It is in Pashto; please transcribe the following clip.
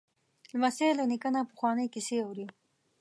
لمسی له نیکه نه پخوانۍ کیسې اوري.